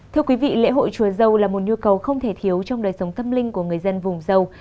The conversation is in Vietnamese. thưa quý vị lễ hội chùa dâu là một nhu cầu không thể thiếu trong đời sống tâm linh của người dân vùng dâu